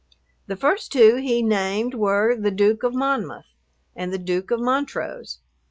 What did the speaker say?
The first two he named were the "Duke of Monmouth" and the "Duke of Montrose."